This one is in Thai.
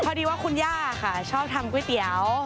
พอดีว่าคุณย่าค่ะชอบทำก๋วยเตี๋ยว